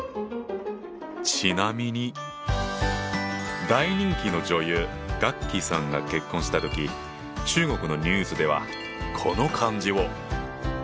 ちなみに大人気の女優ガッキーさんが結婚した時中国のニュースではこの漢字を！